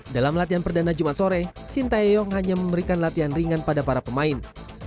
dalam latihan perdana jumat sore sintayong hanya memberikan latihan ringan pada para pemain